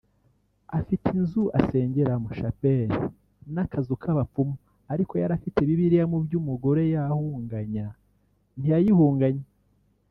afite inzu asengeramo ‘Chapelle’ n’akazu k’abapfumu ariko yari afite Bibiliya mu byo umugore yahunganya ntiyayihunganye